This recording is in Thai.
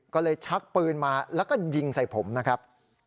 ก็เลยชักปืนมาแล้วก็ยิงใส่ผมนะครับ